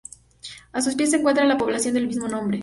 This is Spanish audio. A sus pies se encuentra la población del mismo nombre.